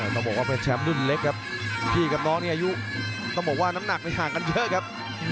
ต้องบอกว่าเป็นแชมป์รุ่นเล็กครับพี่กับน้องนี่อายุต้องบอกว่าน้ำหนักในห่างกันเยอะครับ